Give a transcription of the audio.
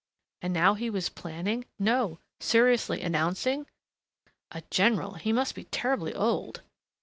And now he was planning no, seriously announcing A general ... He must be terribly old....